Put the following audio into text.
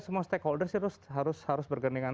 semua stakeholders harus bergandengan